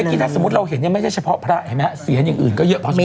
แต่เมื่อกี้ถ้าสมมุติเราเห็นยังไม่ใช่เฉพาะพระเห็นไหมฮะเสียงอย่างอื่นก็เยอะพอสมมุติ